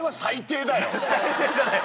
最低じゃない。